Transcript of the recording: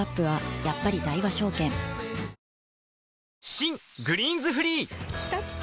新「グリーンズフリー」きたきた！